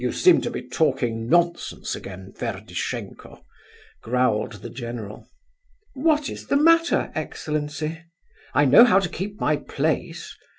"You seem to be talking nonsense again, Ferdishenko," growled the general. "What is the matter, excellency? I know how to keep my place.